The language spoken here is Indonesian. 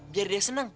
biar dia senang ya